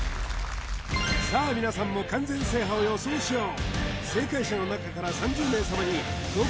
さあ皆さんも完全制覇を予想しよう